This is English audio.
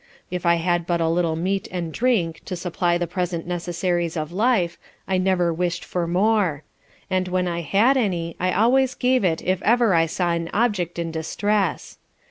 If I had but a little meat and drink to supply the present necessaries of life, I never wish'd for more; and when I had any I always gave it if ever I saw an object in distress.